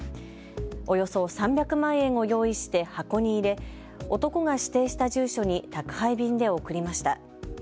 およそ３００万円を用意して箱に入れ、男が指定した住所に宅配便で送りました。